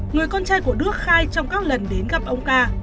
người con trai của đức khai trong các lần đến gặp ông ca